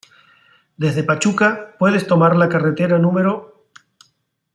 Desde Pachuca puedes tomar la carretera núm.